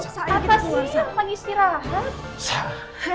apa sih pengistirahat